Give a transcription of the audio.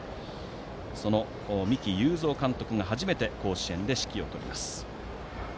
その三木有造監督が初めて甲子園で指揮を執ります。